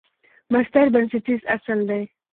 مصدر بنسټیز اصل دئ.